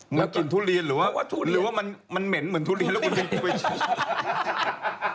มันกลิ่นทุเรียนหรือว่ามันเหม็นเหมือนทุเรียนแล้วคุณกลิ่นไปชิม